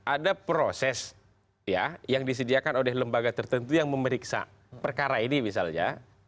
ada proses yang disediakan oleh lembaga tertentu yang memeriksa perkara ini misalnya